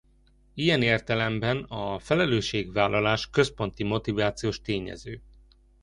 Ilyen értelemben a felelősségvállalás központi motivációs tényező.